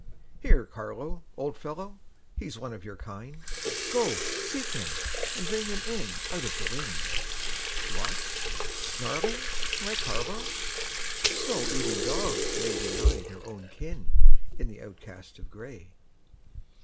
Here, Carlo, old fellow, he's one of your kind, Go, seek him, and bring him in out of the wind. What! snarling, my Carlo! So even dogs may Deny their own kin in the outcast in gray.